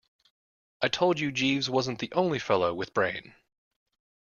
I told you Jeeves wasn't the only fellow with brain.